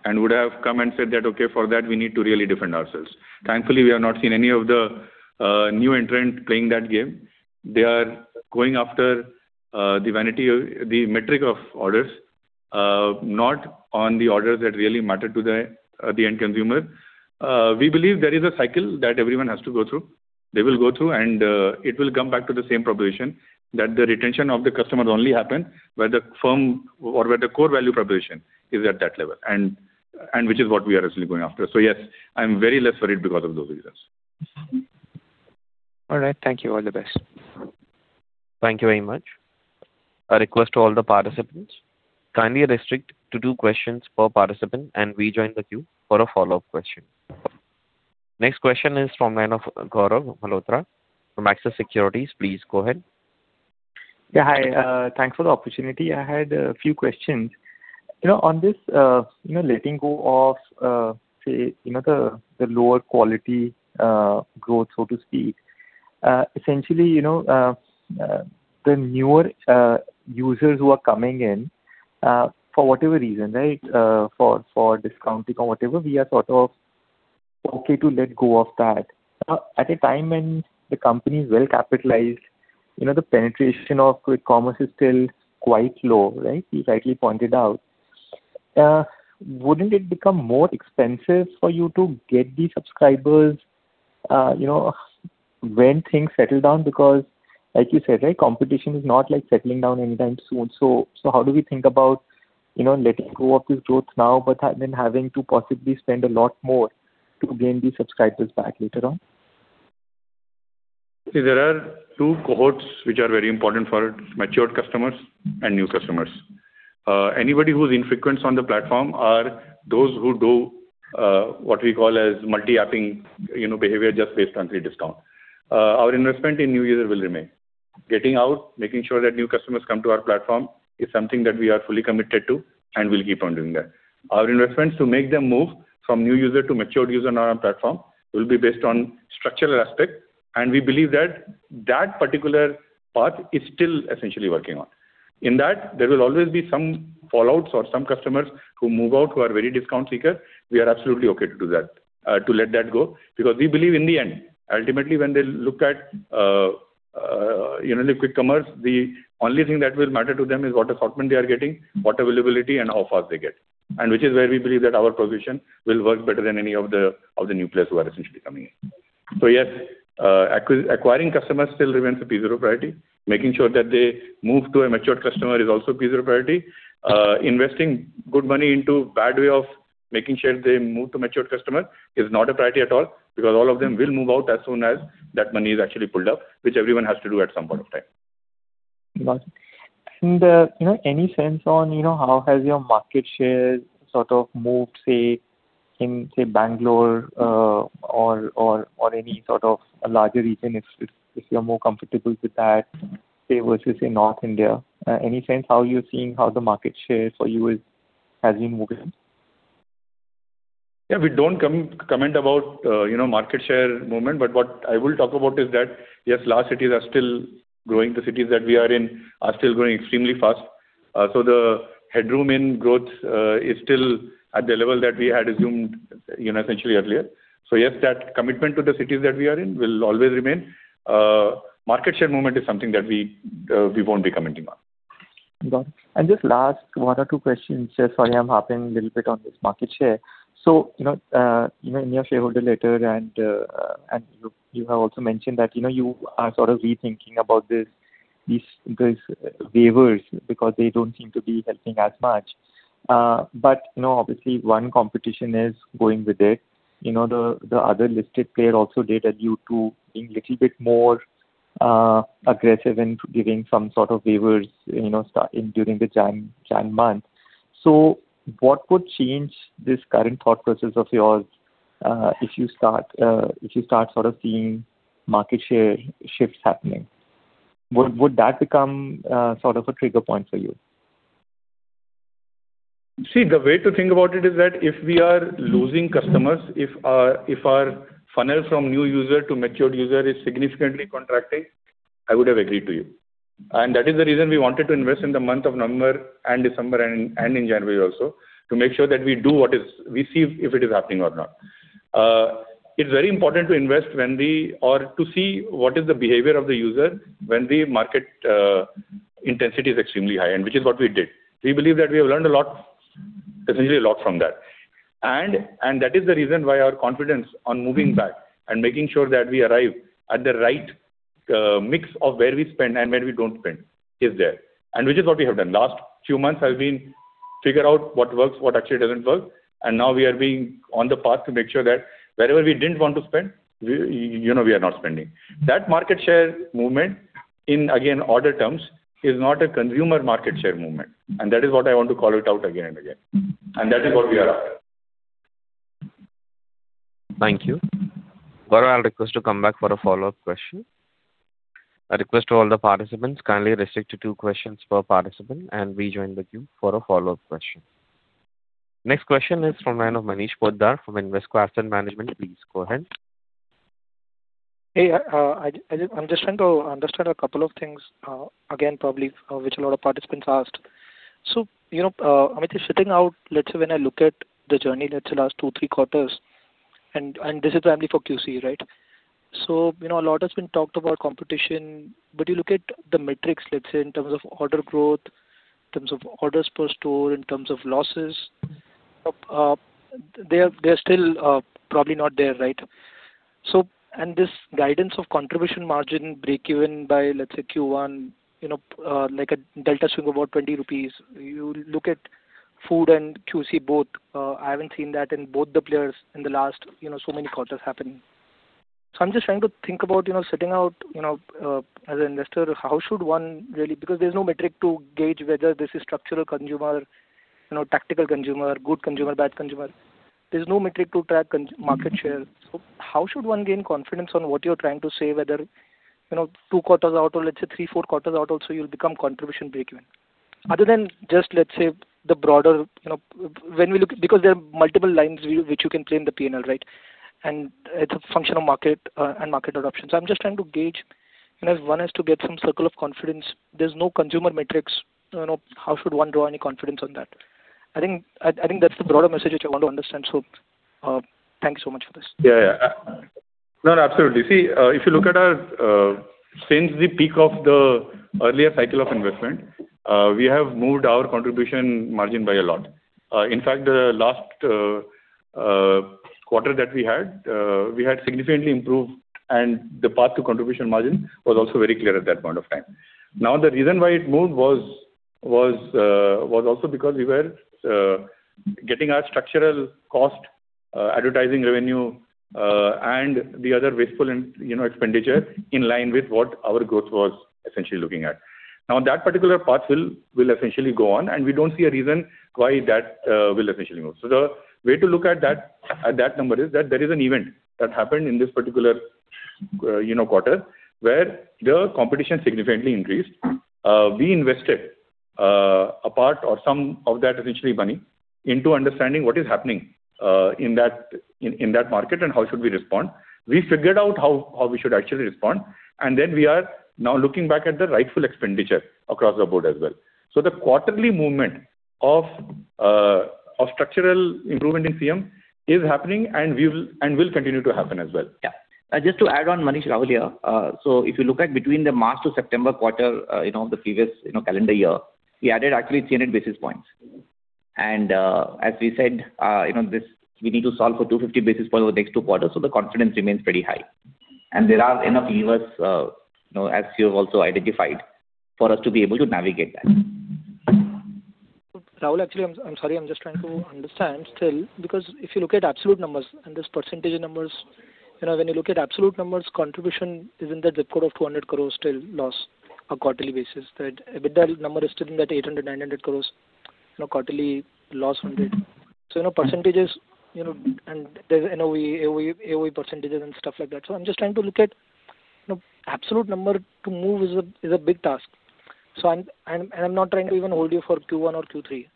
Speaker 4: and would have come and said that, okay, for that, we need to really defend ourselves. Thankfully, we have not seen any of the new entrant playing that game. They are going after the vanity, the metric of orders, not on the orders that really matter to the end consumer. We believe there is a cycle that everyone has to go through. They will go through, and it will come back to the same proposition, that the retention of the customers only happen where the firm or where the core value proposition is at that level, and which is what we are actually going after. So yes, I'm very less worried because of those reasons.
Speaker 11: All right. Thank you. All the best.
Speaker 1: Thank you very much. A request to all the participants, kindly restrict to two questions per participant, and rejoin the queue for a follow-up question. Next question is from Gaurav Malhotra from Axis Securities. Please go ahead.
Speaker 12: Yeah, hi, thanks for the opportunity. I had a few questions. You know, on this, you know, letting go of, say, you know, the lower quality growth, so to speak, essentially, you know, the newer users who are coming in, for whatever reason, right, for discounting or whatever, we are sort of okay to let go of that. At a time when the company is well capitalized, you know, the penetration of quick commerce is still quite low, right? You rightly pointed out. Wouldn't it become more expensive for you to get these subscribers, you know, when things settle down? Because like you said, right, competition is not, like, settling down anytime soon. So, how do we think about, you know, letting go of this growth now, but then having to possibly spend a lot more to gain these subscribers back later on?
Speaker 4: See, there are two cohorts which are very important for matured customers and new customers. Anybody who's infrequent on the platform are those who do what we call as multi-apping, you know, behavior just based on free discount. Our investment in new user will remain. Getting out, making sure that new customers come to our platform is something that we are fully committed to, and we'll keep on doing that. Our investments to make them move from new user to matured user on our platform will be based on structural aspect, and we believe that that particular path is still essentially working on. In that, there will always be some fallouts or some customers who move out, who are very discount seekers. We are absolutely okay to do that, to let that go, because we believe in the end, ultimately, when they look at, you know, the quick commerce, the only thing that will matter to them is what assortment they are getting, what availability, and how fast they get. And which is where we believe that our proposition will work better than any of the new players who are essentially coming in. So yes, acquiring customers still remains a piece of priority. Making sure that they move to a matured customer is also a piece of priority. Investing good money into bad way of making sure they move to matured customer is not a priority at all, because all of them will move out as soon as that money is actually pulled out, which everyone has to do at some point of time.
Speaker 12: Got it. And, you know, any sense on, you know, how has your market share sort of moved, say, in, say, Bangalore, or any sort of a larger region, if you're more comfortable with that, say, versus in North India? Any sense how you're seeing how the market share for you is, has been moving?
Speaker 4: Yeah, we don't comment about, you know, market share movement, but what I will talk about is that, yes, large cities are still growing. The cities that we are in are still growing extremely fast. So the headroom in growth is still at the level that we had assumed, you know, essentially earlier. So yes, that commitment to the cities that we are in will always remain. Market share movement is something that we won't be commenting on.
Speaker 12: Got it. And just last one or two questions. Sorry, I'm harping a little bit on this market share. So, you know, you know, in your shareholder letter and, and you, you have also mentioned that, you know, you are sort of rethinking about this, these, these waivers, because they don't seem to be helping as much. But, you know, obviously, one competitor is going with it. You know, the other listed player also started to be a little bit more aggressive in giving some sort of waivers, you know, starting during the January month. So what would change this current thought process of yours, if you start sort of seeing market share shifts happening? Would that become sort of a trigger point for you?
Speaker 4: See, the way to think about it is that if we are losing customers, if our funnel from new user to matured user is significantly contracting, I would have agreed to you. And that is the reason we wanted to invest in the month of November and December and in January also, to make sure that we do what is... We see if it is happening or not. It's very important to invest when we, or to see what is the behavior of the user when the market intensity is extremely high, and which is what we did. We believe that we have learned a lot, essentially a lot from that. That is the reason why our confidence on moving back and making sure that we arrive at the right, mix of where we spend and where we don't spend is there, and which is what we have done. Last few months have been, figure out what works, what actually doesn't work, and now we are being on the path to make sure that wherever we didn't want to spend, we, you know, we are not spending. That market share movement in, again, order terms, is not a consumer market share movement, and that is what I want to call it out again and again. That is what we are after.
Speaker 1: Thank you. Gaurav, I'll request you to come back for a follow-up question. I request to all the participants, kindly restrict to two questions per participant, and rejoin the queue for a follow-up question. Next question is from Manish Poddar from Invesco Asset Management. Please go ahead.
Speaker 13: Hey, I'm just trying to understand a couple of things, again, probably, which a lot of participants asked. So, you know, I'm sitting out, let's say when I look at the journey, let's say last two, three quarters, and this is primarily for QC, right? So, you know, a lot has been talked about competition, but you look at the metrics, let's say, in terms of order growth, in terms of orders per store, in terms of losses, they are, they are still, probably not there, right? So, and this guidance of contribution margin break even by, let's say, Q1, you know, like a delta swing about 20 rupees. You look at food and QC both, I haven't seen that in both the players in the last, you know, so many quarters happening. So I'm just trying to think about, you know, sitting out, you know, as an investor, how should one really—because there's no metric to gauge whether this is structural consumer, you know, tactical consumer, good consumer, bad consumer. There's no metric to track market share. So how should one gain confidence on what you're trying to say, whether, you know, two quarters out or let's say three, four quarters out also, you'll become contribution break even? Other than just, let's say, the broader, you know, when we look... Because there are multiple lines which you can play in the P&L, right? And it's a function of market and market adoption. So I'm just trying to gauge, you know, if one has to get some circle of confidence, there's no consumer metrics, you know, how should one draw any confidence on that? I think that's the broader message which I want to understand. So, thanks so much for this.
Speaker 4: Yeah, yeah. No, absolutely. See, if you look at our, since the peak of the earlier cycle of investment, we have moved our contribution margin by a lot. In fact, the last quarter that we had, we had significantly improved, and the path to contribution margin was also very clear at that point of time. Now, the reason why it moved was also because we were getting our structural cost, advertising revenue, and the other wasteful and, you know, expenditure in line with what our growth was essentially looking at. Now, that particular path will essentially go on, and we don't see a reason why that will essentially move. So the way to look at that, at that number is that there is an event that happened in this particular, you know, quarter, where the competition significantly increased. We invested, a part or some of that, essentially, money into understanding what is happening, in that market and how should we respond. We figured out how we should actually respond, and then we are now looking back at the rightful expenditure across the board as well. So the quarterly movement of structural improvement in CM is happening and we will and will continue to happen as well.
Speaker 5: Yeah. Just to add on, Manish, Rahul here. So if you look at between the March to September quarter, you know, the previous, you know, calendar year, we added actually 300 basis points. And, as we said, you know, this, we need to solve for 250 basis points over the next two quarters, so the confidence remains pretty high and there are enough levers, you know, as you have also identified, for us to be able to navigate that.
Speaker 13: Rahul, actually, I'm sorry, I'm just trying to understand still, because if you look at absolute numbers and this percentage numbers, you know, when you look at absolute numbers, contribution is in the zip code of 200 crore still loss on quarterly basis, right? But the number is still in that 800 crore-900 crore, you know, quarterly loss on it. So, you know, percentages, you know, and there's NOE, AOE percentages and stuff like that. So I'm just trying to look at, you know, absolute number to move is a big task. So I'm not trying to even hold you for Q1 or Q3.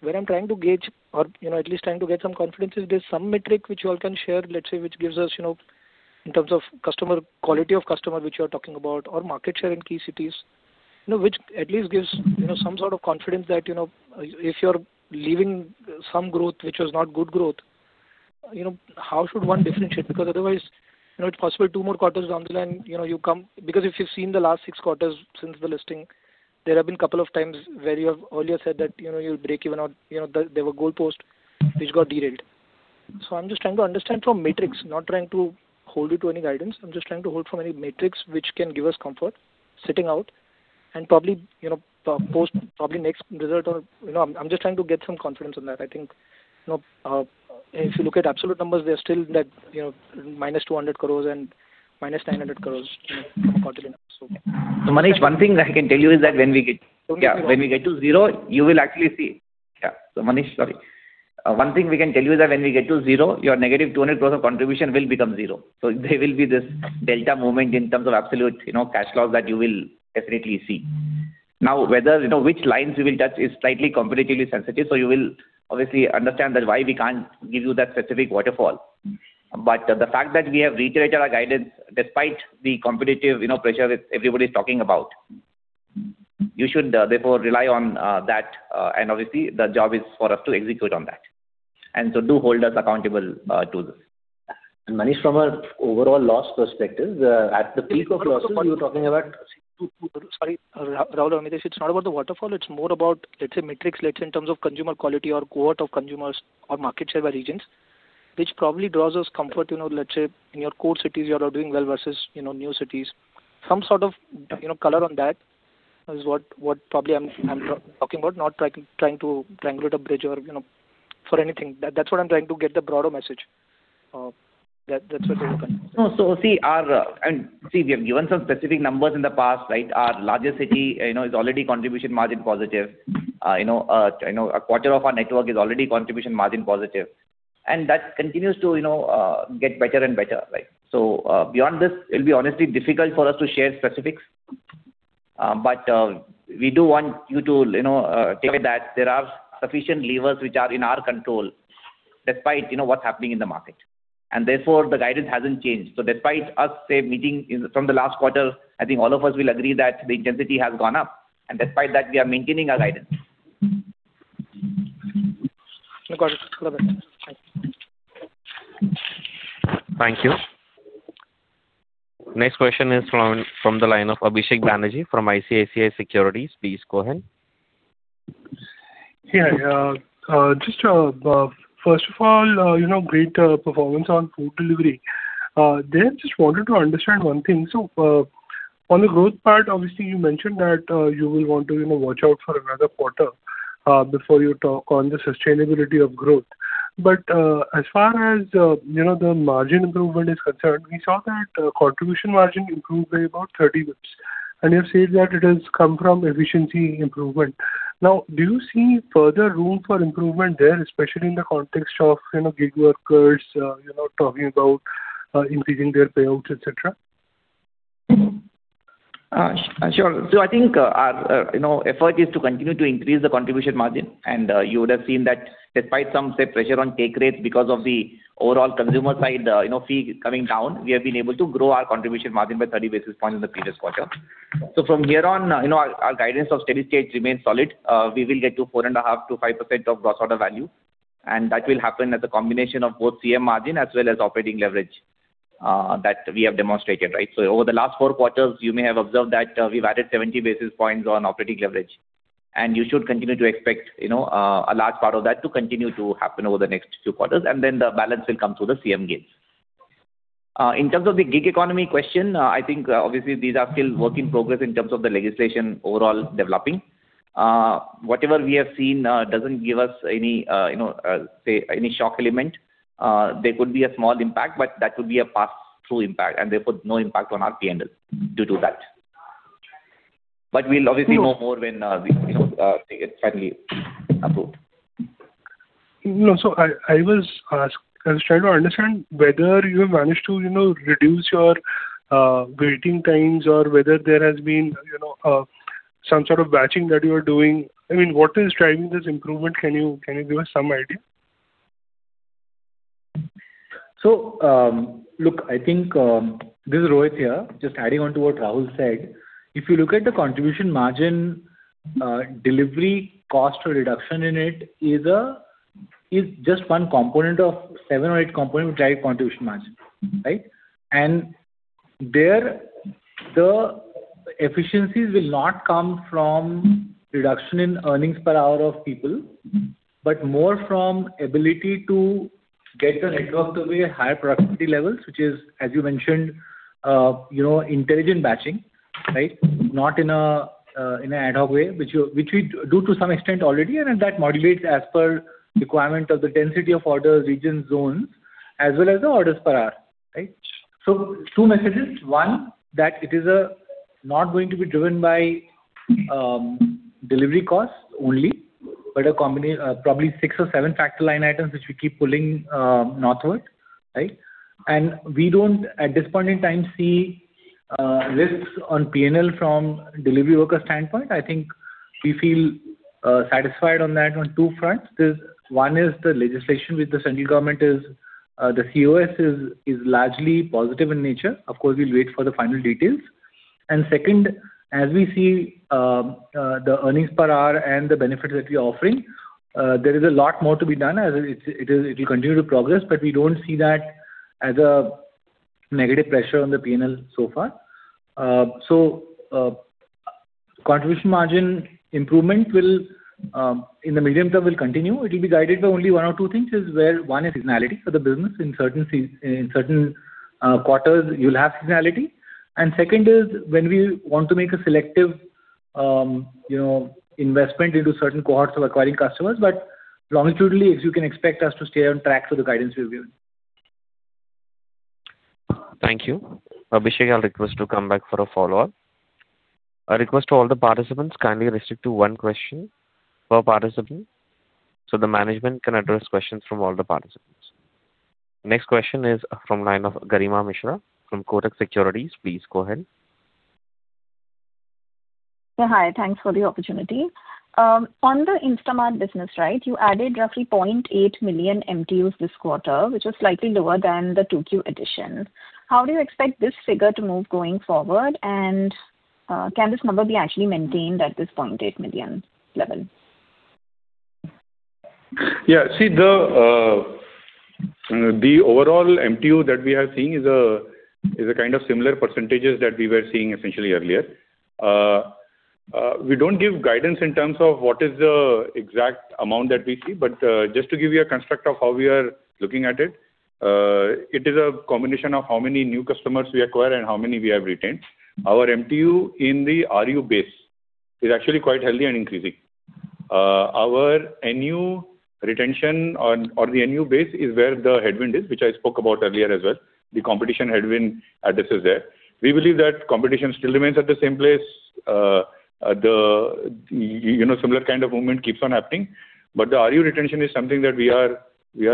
Speaker 13: What I'm trying to gauge or, you know, at least trying to get some confidence, is there some metric which you all can share, let's say, which gives us, you know, in terms of customer, quality of customer, which you are talking about, or market share in key cities, you know, which at least gives, you know, some sort of confidence that, you know, if you're leaving some growth, which was not good growth, you know, how should one differentiate? Because otherwise, you know, it's possible two more quarters down the line, you know, you come... Because if you've seen the last six quarters since the listing, there have been a couple of times where you have earlier said that, you know, you'll break even or, you know, there were goalposts which got derailed. So I'm just trying to understand from metrics, not trying to hold you to any guidance. I'm just trying to hold from any metrics which can give us comfort sitting out and probably, you know, post, probably next result or, you know, I'm just trying to get some confidence on that. I think, you know, if you look at absolute numbers, they are still that, you know, -200 crore and -900 crore, quarterly numbers.
Speaker 5: So, Manish, one thing I can tell you is that when we get to zero, you will actually see. So, Manish, sorry. One thing we can tell you is that when we get to zero, your -200 crore of contribution will become zero. So there will be this delta movement in terms of absolute, you know, cash flow that you will definitely see. Now, whether, you know, which lines we will touch is slightly competitively sensitive, so you will obviously understand that why we can't give you that specific waterfall. But the fact that we have reiterated our guidance despite the competitive, you know, pressure which everybody's talking about, you should therefore rely on that, and obviously, the job is for us to execute on that. And so do hold us accountable to this.
Speaker 4: Manish, from an overall loss perspective, at the peak of loss, what you were talking about-
Speaker 13: Sorry, Rahul, Amitesh, it's not about the waterfall, it's more about, let's say, metrics, let's say, in terms of consumer quality or cohort of consumers or market share by regions, which probably draws us comfort, you know, let's say, in your core cities, you are doing well versus, you know, new cities. Some sort of, you know, color on that is what probably I'm talking about, not trying to triangulate a bridge or, you know, for anything. That's what I'm trying to get the broader message, that's what we looking.
Speaker 5: No, so see our, And see, we have given some specific numbers in the past, right? Our largest city, you know, is already contribution margin positive. You know, you know, a quarter of our network is already contribution margin positive, and that continues to, you know, get better and better, right? So, beyond this, it'll be honestly difficult for us to share specifics. But, we do want you to, you know, take that there are sufficient levers which are in our control, despite, you know, what's happening in the market, and therefore, the guidance hasn't changed. So despite us, say, meeting from the last quarter, I think all of us will agree that the intensity has gone up, and despite that, we are maintaining our guidance.
Speaker 13: Got it. Thanks.
Speaker 1: Thank you. Next question is from the line of Abhishek Banerjee from ICICI Securities. Please go ahead.
Speaker 14: Yeah, just, first of all, you know, great performance on food delivery. Then just wanted to understand one thing: so, on the growth part, obviously, you mentioned that you will want to, you know, watch out for another quarter before you talk on the sustainability of growth. But, as far as, you know, the margin improvement is concerned, we saw that contribution margin improved by about 30 basis points. And you've said that it has come from efficiency improvement. Now, do you see further room for improvement there, especially in the context of, you know, gig workers, you know, talking about increasing their payouts, et cetera?
Speaker 5: Sure. So I think, our, you know, effort is to continue to increase the contribution margin, and, you would have seen that despite some, say, pressure on take rates because of the overall consumer side, you know, fee coming down, we have been able to grow our contribution margin by 30 basis points in the previous quarter. So from here on, you know, our, our guidance of steady state remains solid. We will get to 4.5%-5% of gross order value, and that will happen as a combination of both CM margin as well as operating leverage, that we have demonstrated, right? So over the last four quarters, you may have observed that, we've added 70 basis points on operating leverage. You should continue to expect, you know, a large part of that to continue to happen over the next two quarters, and then the balance will come through the CM gains. In terms of the gig economy question, I think, obviously, these are still work in progress in terms of the legislation overall developing. Whatever we have seen, doesn't give us any, you know, say, any shock element. There could be a small impact, but that would be a pass-through impact, and therefore no impact on our PNL due to that. But we'll obviously know more when we, you know, get finally approved.
Speaker 14: No, so I was trying to understand whether you have managed to, you know, reduce your waiting times or whether there has been, you know, some sort of batching that you are doing. I mean, what is driving this improvement? Can you give us some idea?
Speaker 6: So, look, I think this is Rohit here. Just adding on to what Rahul said. If you look at the contribution margin, delivery cost or reduction in it is just one component of seven or eight components, which drive contribution margin, right? And there, the efficiencies will not come from reduction in earnings per hour of people, but more from ability to get the network to a higher productivity levels, which is, as you mentioned, you know, intelligent batching, right? Not in an ad hoc way, which we do to some extent already, and then that modulates as per requirement of the density of orders, regions, zones, as well as the orders per hour, right? So two messages. One, that it is not going to be driven by delivery costs only, but a combination of probably six or seven factor line items which we keep pulling northward, right? And we don't, at this point in time, see risks on PNL from delivery worker standpoint. I think we feel satisfied on that on two fronts. There is one, the legislation with the central government, the COS, is largely positive in nature. Of course, we'll wait for the final details. And second, as we see, the earnings per hour and the benefits that we are offering, there is a lot more to be done as it will continue to progress, but we don't see that as a negative pressure on the PNL so far. So, contribution margin improvement will, in the medium term, will continue. It will be guided by only one or two things, is where one is seasonality for the business. In certain quarters, you'll have seasonality. And second is when we want to make a selective, you know, investment into certain cohorts of acquiring customers, but longitudinally, as you can expect us to stay on track for the guidance we've given.
Speaker 1: Thank you. Abhishek, I'll request you to come back for a follow-up. A request to all the participants, kindly restrict to one question per participant, so the management can address questions from all the participants. Next question is from the line of Garima Mishra from Kotak Securities. Please go ahead.
Speaker 15: Hi, thanks for the opportunity. On the Instamart business, right? You added roughly 0.8 million MTUs this quarter, which is slightly lower than the Q2 additions. How do you expect this figure to move going forward? And, can this number be actually maintained at this 0.8 million level?
Speaker 4: Yeah, see the overall MTU that we are seeing is a kind of similar percentages that we were seeing essentially earlier. We don't give guidance in terms of what is the exact amount that we see, but just to give you a construct of how we are looking at it, it is a combination of how many new customers we acquire and how many we have retained. Our MTU in the RU base is actually quite healthy and increasing. Our NU retention, or the NU base, is where the headwind is, which I spoke about earlier as well, the competition headwind addresses there. We believe that competition still remains at the same place. Similar kind of movement keeps on happening, but the RU retention is something that we are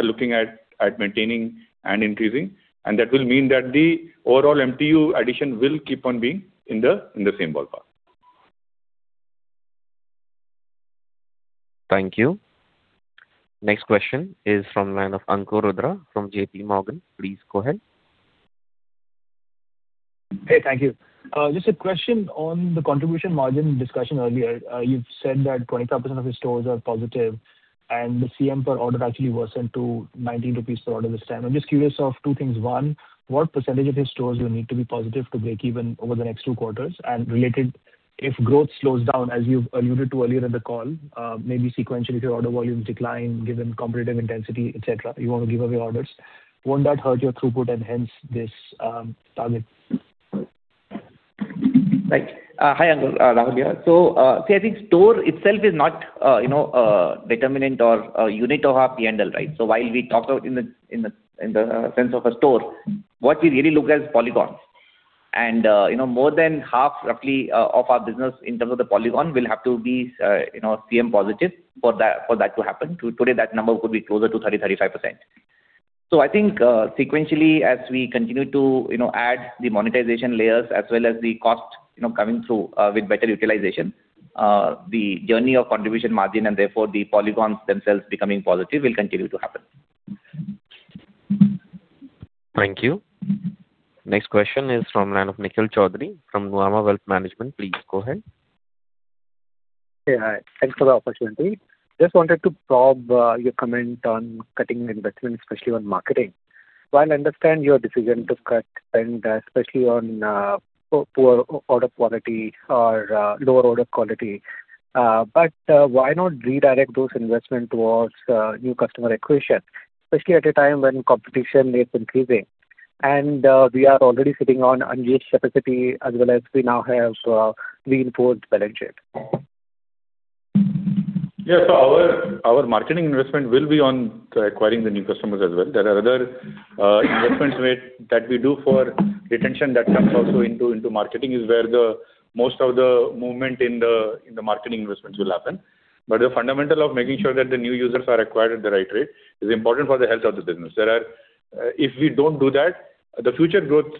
Speaker 4: looking at maintaining and increasing, and that will mean that the overall MTU addition will keep on being in the same ballpark.
Speaker 1: Thank you. Next question is from line of Ankur Rudra from JPMorgan. Please go ahead.
Speaker 16: Hey, thank you. Just a question on the contribution margin discussion earlier. You've said that 25% of the stores are positive, and the CM per order actually worsened to 19 rupees per order this time. I'm just curious of two things: one, what percentage of your stores you need to be positive to break even over the next two quarters? And related, if growth slows down, as you've alluded to earlier in the call, maybe sequentially, if your order volumes decline given competitive intensity, et cetera, you want to give away orders, won't that hurt your throughput and hence this, target?
Speaker 5: Right. Hi, Ankur, Rahul here. So, see, I think store itself is not, you know, a determinant or a unit of our PNL, right? So while we talk about in the sense of a store, what we really look at is polygons. More than half, roughly, of our business in terms of the polygon will have to be, you know, CM positive for that, for that to happen. Today, that number could be closer to 30%-35%. So I think, sequentially, as we continue to, you know, add the monetization layers as well as the cost, you know, coming through, with better utilization, the journey of contribution margin, and therefore the polygons themselves becoming positive, will continue to happen.
Speaker 1: Thank you. Next question is from line of Nikhil Choudhary from Nuvama Wealth Management. Please go ahead.
Speaker 17: Hey, hi. Thanks for the opportunity. Just wanted to probe your comment on cutting investment, especially on marketing. While I understand your decision to cut spend, especially on poor order quality or lower order quality, but why not redirect those investment towards new customer acquisition, especially at a time when competition is increasing and we are already sitting on engaged capacity as well as we now have reinforced balance sheet?
Speaker 4: Yeah. So our, our marketing investment will be on, acquiring the new customers as well. There are other, investments where that we do for retention that comes also into, into marketing, is where the most of the movement in the marketing investments will happen. But the fundamental of making sure that the new users are acquired at the right rate is important for the health of the business. There are, if we don't do that, the future growth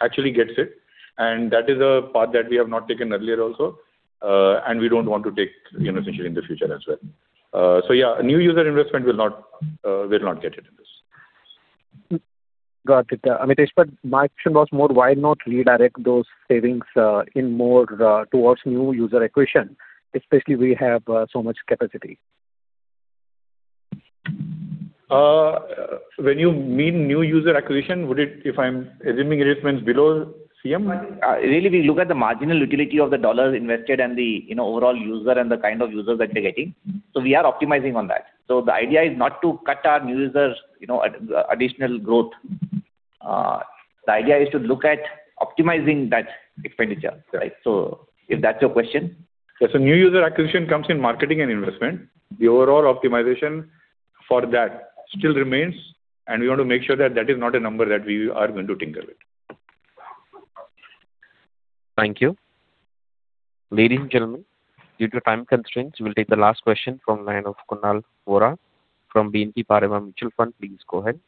Speaker 4: actually gets hit, and that is a path that we have not taken earlier also, and we don't want to take, you know, especially in the future as well. So yeah, new user investment will not, will not get hit in this.
Speaker 17: Got it. I mean, but my question was more, why not redirect those savings, in more, towards new user acquisition, especially we have, so much capacity?
Speaker 4: When you mean new user acquisition, if I'm assuming investments below CM?
Speaker 17: Really, we look at the marginal utility of the dollars invested and the, you know, overall user and the kind of users that we're getting, so we are optimizing on that. So the idea is not to cut our new users, you know, additional growth. The idea is to look at optimizing that expenditure, right? So if that's your question.
Speaker 4: Yes, so new user acquisition comes in marketing and investment. The overall optimization for that still remains, and we want to make sure that that is not a number that we are going to tinker with.
Speaker 1: Thank you. Ladies and gentlemen, due to time constraints, we'll take the last question from the line of Kunal Vora from BNP Paribas Mutual Fund. Please go ahead.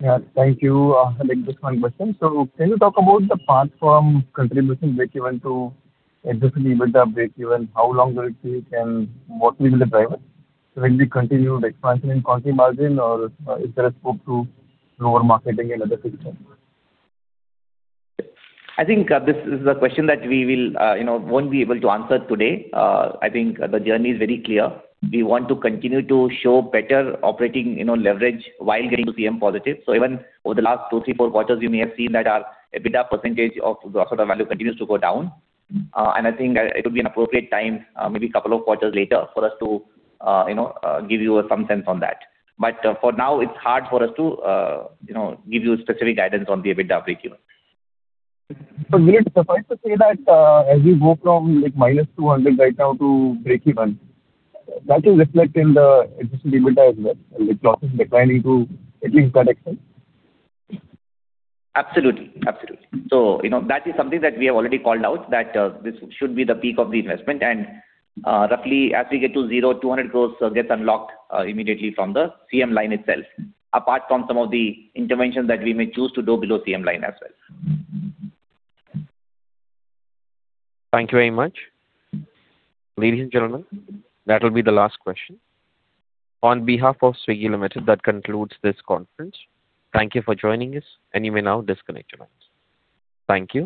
Speaker 18: Yeah, thank you. I'll make just one question. So can you talk about the path from contribution breakeven to adjusted EBITDA breakeven? How long will it take, and what will be the driver? Will we continue the expansion in contribution margin, or is there a scope to lower marketing and other things?
Speaker 5: I think, this is a question that we will, you know, won't be able to answer today. I think the journey is very clear. We want to continue to show better operating, you know, leverage while getting to CM positive. So even over the last two, three, four quarters, you may have seen that our EBITDA percentage of the value continues to go down. And I think it would be an appropriate time, maybe couple of quarters later, for us to, you know, give you some sense on that. But, for now, it's hard for us to, you know, give you specific guidance on the EBITDA break even.
Speaker 18: Would it suffice to say that, as we go from, like, -200 right now to break even, that will reflect in the adjusted EBITDA as well, with losses declining to at least that extent?
Speaker 5: Absolutely. Absolutely. So, you know, that is something that we have already called out, that this should be the peak of the investment. And, roughly as we get to 0 crore-200 crore gets unlocked immediately from the CM line itself, apart from some of the interventions that we may choose to do below CM line as well.
Speaker 1: Thank you very much. Ladies and gentlemen, that will be the last question. On behalf of Swiggy Limited, that concludes this conference. Thank you for joining us, and you may now disconnect your lines. Thank you.